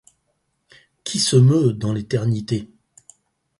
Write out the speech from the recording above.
Qui se meut dans, l’éternité !